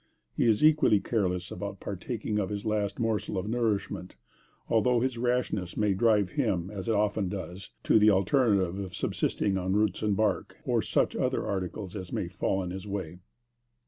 He is equally careless about partaking of his last morsel of nourishment, although his rashness may drive him, and often does, to the alternative of subsisting on roots and bark, or such other articles as may fall in his way.